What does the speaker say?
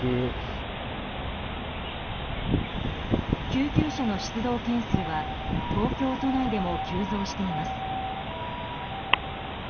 救急車の出動件数は東京都内でも急増しています。